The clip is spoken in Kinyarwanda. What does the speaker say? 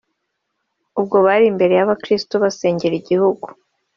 ubwo bari imbere y’abakristo basengera igihugu”